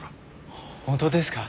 本当ですか！？